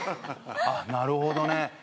なるほどね。